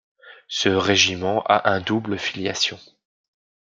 Ce régiment a un double filiation.